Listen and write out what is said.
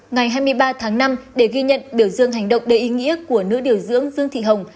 ngày hai mươi ba tháng năm để ghi nhận biểu dương hành động đầy ý nghĩa của nữ điều dưỡng dương thị hồng